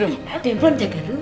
di rumah jaga rumah ya